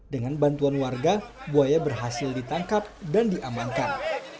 dengan bantuan warga buaya berhasil ditangkap dan diamankan